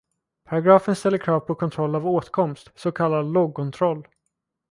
Paragrafen ställer krav på kontroll av åtkomst, så kallad loggkontroll.